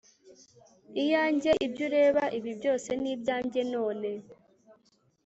iyanjye ibyo ureba ibi byose ni ibyanjye none